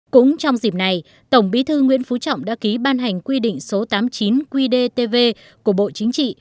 cũng trong dịp này tổng bí thư nguyễn phú trọng đã ký ban hành quy định số tám mươi chín qdtv của bộ chính trị